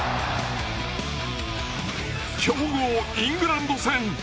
強豪イングランド戦。